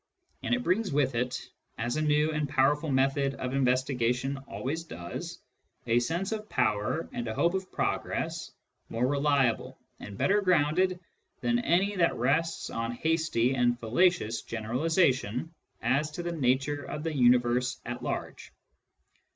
And it brings with it — ^as a new and powerful method of investigation always does — a sense of power and a hope of progress more reliable and better grounded than any that rests on hasty and fallacious generalisation as to the nature of the universe at large.